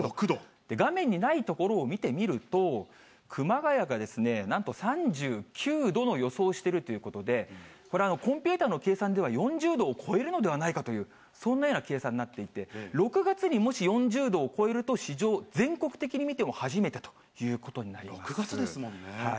画面にない所を見てみると、熊谷がなんと３９度の予想をしているということで、これ、コンピューターの計算では、４０度を超えるのではないかという、そんなような計算になっていて、６月にもし４０度を超えると、史上、全国的に見ても初めてとい６月ですもんね。